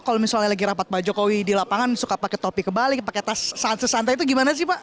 kalau misalnya lagi rapat pak jokowi di lapangan suka pakai topi kebalik pakai tas santai santai itu gimana sih pak